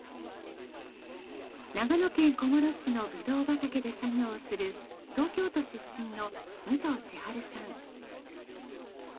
長野県小諸市のブドウ畑で作業をする東京都出身の武藤千春さん